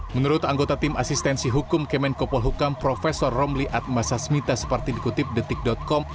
menurut anggota tim asistensi hukum kemenko pelhukam prof romli atmasasmita seperti dikutip detik com